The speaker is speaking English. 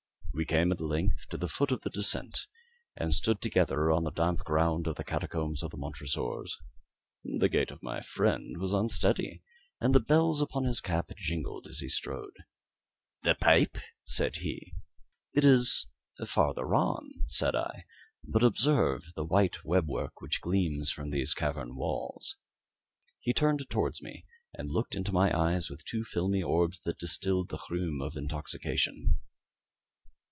We came at length to the foot of the descent, and stood together on the damp ground of the catacombs of the Montresors. The gait of my friend was unsteady, and the bells upon his cap jingled as he strode. "The pipe," said he. "It is farther on," said I; "but observe the white web work which gleams from these cavern walls." He turned towards me, and looked into my eyes with two filmy orbs that distilled the rheum of intoxication.